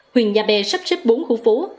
huyện nhà bè sắp xếp bốn khu phố